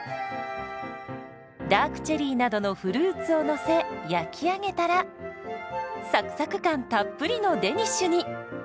ダークチェリーなどのフルーツをのせ焼き上げたらサクサク感たっぷりのデニッシュに。